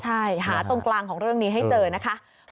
ใช่หาตรงกลางของเรื่องนี้ให้เจอนะคะ